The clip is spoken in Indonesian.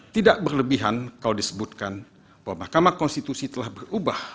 tidak berlebihan kalau disebutkan bahwa mahkamah konstitusi telah berubah